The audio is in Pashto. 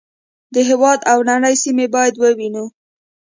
د هېواد او نړۍ سیمې باید ووینو.